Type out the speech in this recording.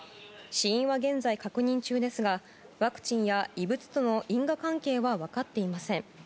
死因は現在、確認中ですがワクチンや異物との因果関係は分かっていません。